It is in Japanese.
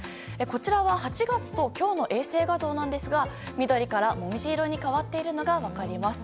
こちらは８月と今日の衛星画像なんですが緑からモミジ色に変わっているのが分かります。